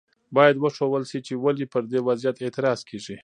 باید وښودل شي چې ولې پر دې وضعیت اعتراض کیږي.